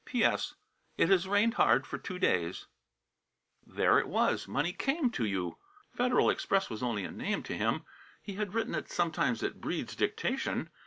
"P.S. It has rained hard for two days." There it was! Money came to you. Federal Express was only a name to him; he had written it sometimes at Breede's dictation.